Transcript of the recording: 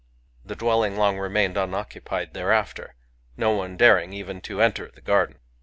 The dwelfing long remained unoccupied thereafter, no one daring even to enter the garden.